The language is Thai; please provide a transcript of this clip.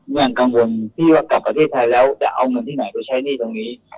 ยังกังวลที่ว่ากลับประเทศไทยแล้วจะเอาเงินที่ไหนไปใช้หนี้ตรงนี้